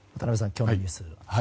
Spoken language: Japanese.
今日のニュースは。